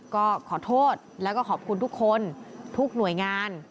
ก็ขอโทษแล้วก็ขอบคุณทุกคนทุกหน่วยงาน